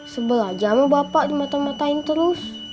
sebelah jam bapak dimata matain terus